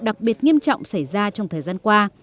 đặc biệt nghiêm trọng xảy ra trong thời gian qua